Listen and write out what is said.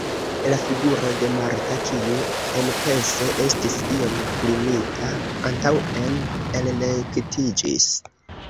La figuro de Marta, kiu enpense estis iom klinita antaŭen, elrektiĝis.